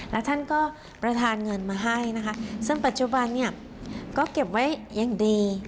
แล้วท่านก็ประธานเงินมาให้นะคะซึ่งปัจจุบันเนี่ยก็เก็บไว้อย่างดี